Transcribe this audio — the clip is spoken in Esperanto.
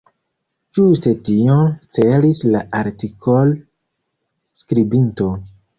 Ĝuste tion celis la artikol-skribinto.